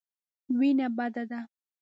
وېنه بده ده.